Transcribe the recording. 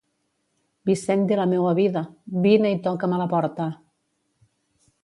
Vicent de la meua vida, vine i toca’m a la porta!